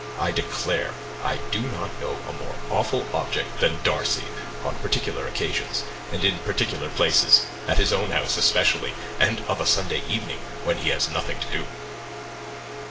I declare I do not know a more awful object than Darcy on particular occasions, and in particular places; at his own house especially, and of a Sunday evening, when he has nothing to do."